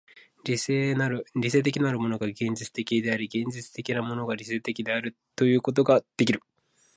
理性的なるものが現実的であり、現実的なるものが理性的であるということができる。